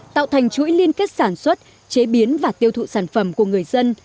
tạo thành chuỗi liên kết sản xuất chế biến và tiêu thụ sản phẩm của người dân